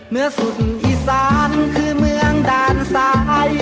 เนื้อสุดอีสานคือเมืองด่านสาย